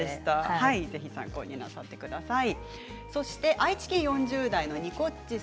ぜひ参考になさってください。